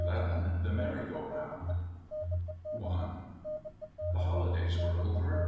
THE MERRY GO ROUND I The holidays were over.